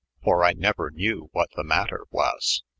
For I neuer knew what the mater was.